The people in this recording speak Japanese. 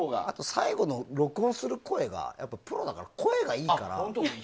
最後の録音する声がやっぱプロだから声がいいから。